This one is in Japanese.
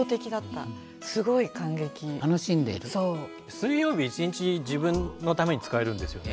水曜日一日自分のために使えるんですよね。